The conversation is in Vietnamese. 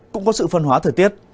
cũng có sự phân hóa thời tiết